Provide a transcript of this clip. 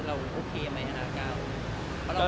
เราโอเคไหมในฐานะเก่า